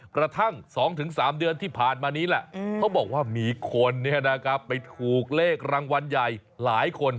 กระทั่ง๒๓เดือนที่ผ่านมานี้แหละเขาบอกว่ามีคนไปถูกเลขรางวัลใหญ่หลายคน